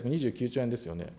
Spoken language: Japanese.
２９兆円ですよね。